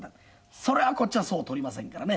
それはこっちはそう取りませんからね。